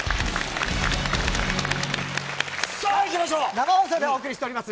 生放送でお送りしています。